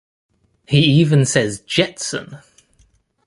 He even says Jetson!